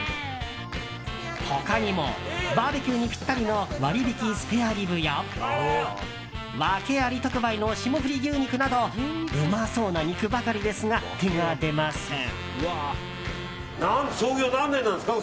他にもバーベキューにぴったりの割引スペアリブやワケあり特売の霜降り牛肉などうまそうな肉ばかりですが手が出ません。